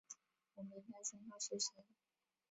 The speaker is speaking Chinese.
我们应该先告诉谁？